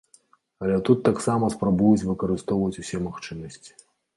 Але тут таксама спрабуюць выкарыстоўваць усе магчымасці.